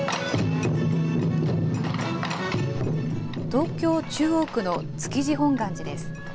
東京・中央区の築地本願寺です。